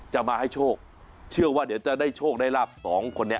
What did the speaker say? จะมาให้โชคเชื่อว่าเดี๋ยวจะได้โชคได้ลาบสองคนนี้